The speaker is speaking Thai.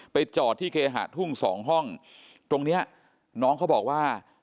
จอดที่เคหะทุ่งสองห้องตรงเนี้ยน้องเขาบอกว่า